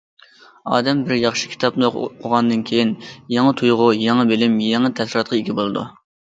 ئادەم بىر ياخشى كىتابنى ئوقۇغاندىن كېيىن، يېڭى تۇيغۇ، يېڭى بىلىم، يېڭى تەسىراتقا ئىگە بولىدۇ.